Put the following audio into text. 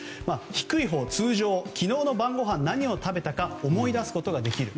低いほうは昨日の晩ごはん、何を食べたか思い出すことができる。